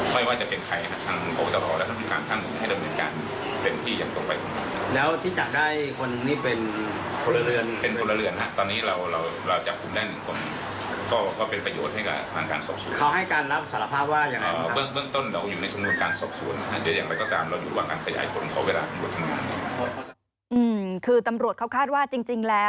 ไม่ว่าจะเป็นใครฮะ